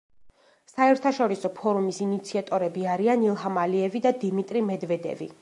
საერთაშორისო ფორუმის ინიციატორები არიან ილჰამ ალიევი და დიმიტრი მედვედევი.